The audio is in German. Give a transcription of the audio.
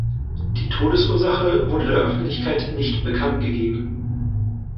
Die Todesursache wurde der Öffentlichkeit nicht bekanntgegeben.